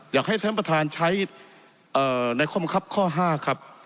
อยากให้ท่านประทานใช้เอ่อในความความความความข้อห้าครับ